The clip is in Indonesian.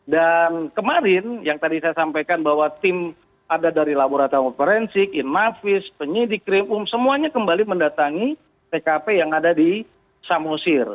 dan kemarin yang tadi saya sampaikan bahwa tim ada dari laboratorium forensik innavis penyidik krimum semuanya kembali mendatangi tkp yang ada di samosir